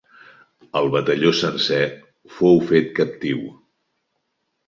El batalló sencer fou fet captiu.